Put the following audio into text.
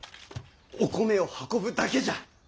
お米を運ぶだけじゃ！